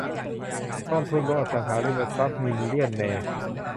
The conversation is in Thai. กองทุนรวมอสังหาริมทรัพย์มิลเลียนแนร์